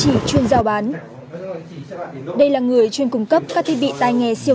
tìm đến nghệ chỉ chuyên giao bán đây là người chuyên cung cấp các thiết bị tai nghe siêu nhỏ tại hà nội